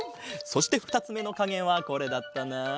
そしてふたつめのかげはこれだったな。